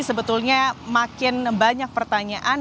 sebetulnya makin banyak pertanyaan